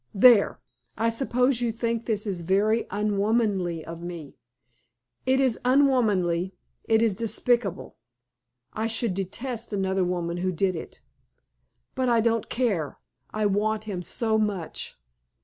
There! I suppose you think this is very unwomanly of me. It is unwomanly, it is despicable. I should detest another woman who did it. But I don't care I want him so much.